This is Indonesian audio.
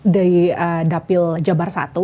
dari dapil jabar satu